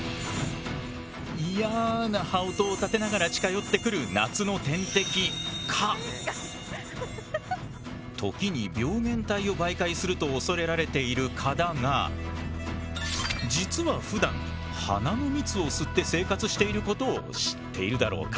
嫌な羽音を立てながら近寄ってくる夏の天敵時に病原体を媒介すると恐れられている蚊だが実は普段花の蜜を吸って生活していることを知っているだろうか。